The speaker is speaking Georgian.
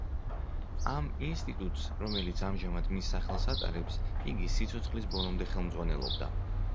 ამ ინსტიტუტს, რომელიც ამჟამად მის სახელს ატარებს, იგი სიცოცხლის ბოლომდე ხელმძღვანელობდა.